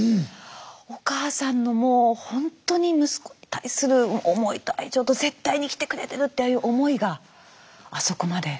お母さんのもうほんとに息子に対する思いと愛情と絶対に生きてくれてるっていう思いがあそこまで。